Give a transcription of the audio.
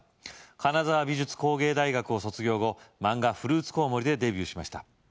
金沢美術工芸大学を卒業後漫画フルーツこうもりでデビューしまし